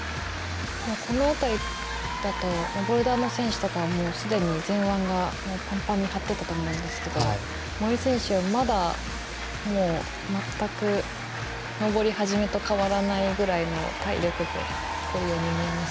この辺りだとボルダーの選手とかはすでに前腕がパンパンに張ってたと思いますけど森選手は、まだ全く登りはじめと変わらないような体力に見えます。